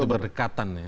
begitu berdekatan ya